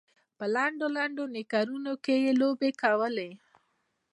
په لنډو لنډو نیکرونو کې یې لوبې کولې.